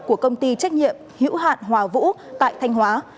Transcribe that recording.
của công ty trách nhiệm hữu hạn hòa vũ tại thanh hóa